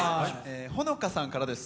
ほのかさんからです。